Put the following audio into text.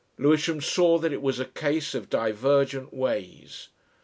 Lewisham saw that it was a case of divergent ways.